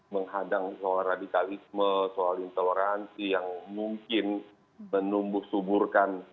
menghadang soal radikalisme soal intoleransi yang mungkin menumbuh suburkan